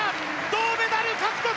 銅メダル獲得！